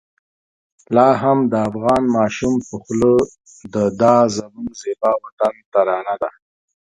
لا هم د افغان ماشوم په خوله د دا زموږ زېبا وطن ترانه ده.